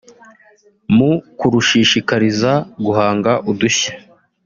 mu kurushishikariza guhanga udushya